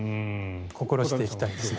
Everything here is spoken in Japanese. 心していきたいですね。